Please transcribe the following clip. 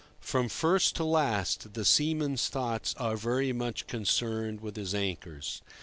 From first to last the seaman's thoughts are very much concerned with his anchors.